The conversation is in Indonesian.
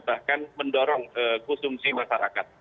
bahkan mendorong konsumsi masyarakat